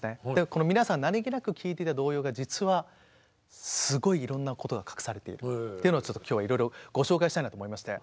この皆さん何気なく聴いていた童謡が実はすごいいろんなことが隠されているというのを今日はいろいろご紹介したいなと思いまして。